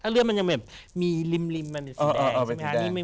เลือดมันยังมีริ่มมันเป็นสีแดงใช่ไหมคะ